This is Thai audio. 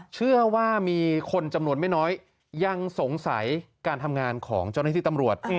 เชื่อว่ามีคนจำนวนไม่น้อยยังสงสัยการทำงานของเจ้าหน้าที่ตำรวจ